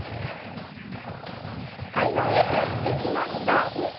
海岸へやってきました。